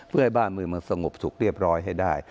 เพื่อให้บ้านเมืองมันสงบสุขเรียบร้อยให้ได้